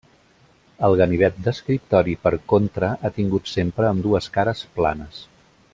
El ganivet d'escriptori per contra ha tingut sempre ambdues cares planes.